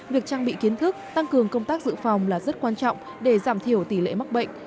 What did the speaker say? việc trang bị kiến thức tăng cường công tác dự phòng là rất quan trọng để giảm thiểu tỷ lệ mắc bệnh